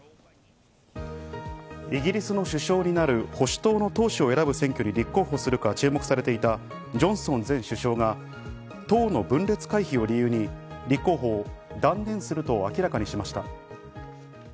イギリスの首相になる保守党の党首を選ぶ選挙に立候補するか注目されていたジョンソン前首相が党の分裂回避を理由に、立候補を断念すると明らかにしました。